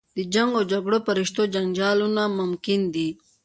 د جنګ و جګړو په رشتو جنجالونه ممکن دي.